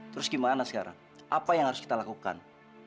terus gimana sekarang apa yang harus kita lakukan